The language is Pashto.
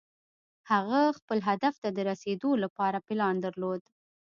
هغه خپل هدف ته د رسېدو لپاره پلان درلود.